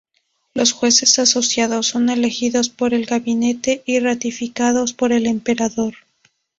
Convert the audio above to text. Los jueces asociados son elegidos por el gabinete y ratificados por el Emperador.